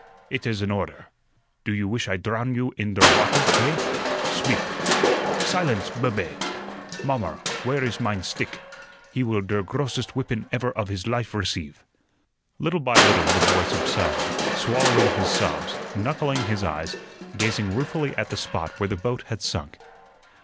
It is an order. Do you wish I drow you in der water, eh? Speak. Silence, bube! Mommer, where ist mein stick? He will der grossest whippun ever of his life receive." Little by little the boy subsided, swallowing his sobs, knuckling his eyes, gazing ruefully at the spot where the boat had sunk.